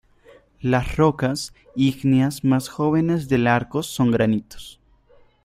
Las rocas ígneas más jóvenes del arco son granitos.